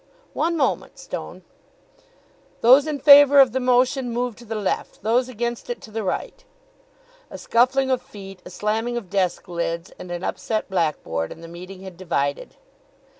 "One moment, Stone." "Those in favour of the motion move to the left, those against it to the right." A scuffling of feet, a slamming of desk lids and an upset blackboard, and the meeting had divided.